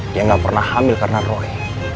dia nggak pernah hamil karena roy